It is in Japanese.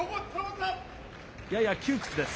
やや窮屈です。